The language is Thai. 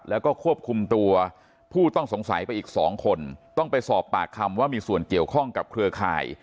แล้วก็ควบคุมตัวผู้ต้องสงสัยไปอีกสองคนต้องไปสอบปากคำว่ามีส่วนเกี่ยวข้องกับเครือข่าย